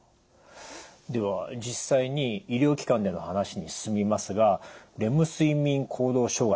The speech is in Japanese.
では実際に医療機関での話に進みますがレム睡眠行動障害